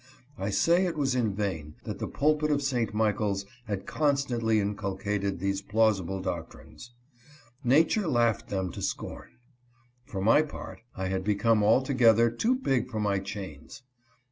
I say it was in vain that the pulpit of St. Michaels had constantly inculcated these plausible doctrines. Nature laughed them to scorn. For my part, I had become altogether too big for my chains.